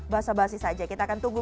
basa basi saja kita akan tunggu